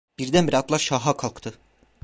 Birdenbire atlar şaha kalktı…